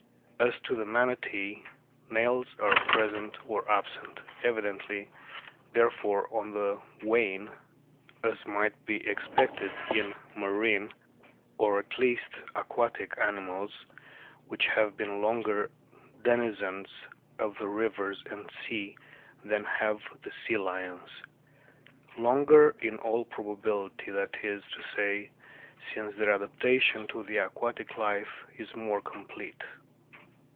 As to the Manatee, nails are present or absent, evidently there fore on the wane, as might be expected in marine, or at least aquatic, animals, which have been longer denizens of rivers and the sea than have the Sea lions ; longer in all probability, that is to say, since their adaptation to the aquatic life is more complete.